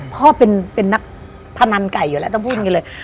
พ่อเป็นนักพนันไก่อยู่แล้วต้องพูดอย่างนี้เลย